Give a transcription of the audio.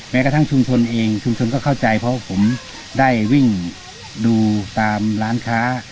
แม้กระทั่งชุมชนเองชุมชนก็เข้าใจเพราะผมได้วิ่งดูตามร้านค้า